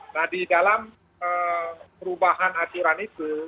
nah di dalam perubahan aturan itu